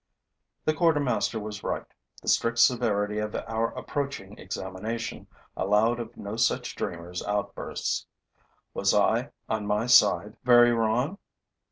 The quartermaster was right: the strict severity of our approaching examination allowed of no such dreamer's outbursts. Was I, on my side, very wrong?